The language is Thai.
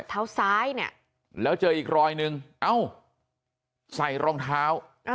เท้าซ้ายเนี่ยแล้วเจออีกรอยนึงเอ้าใส่รองเท้า